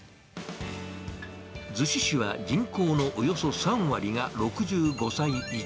逗子市は人口のおよそ３割が６５歳以上。